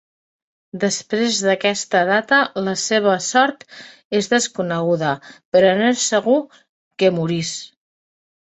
Després d'aquesta data la seva sort és desconeguda, però no és segur que morís.